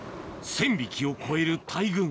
１０００匹を超える大群